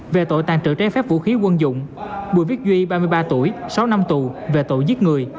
về tội tàn trữ trái phép vũ khí quân dụng bùi viết duy ba mươi ba tuổi sáu năm tù về tội giết người